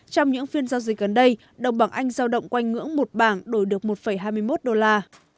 trong những phiên giao dịch gần đây đồng bằng anh giao động quanh ngưỡng một bảng đổi được một hai mươi một đô la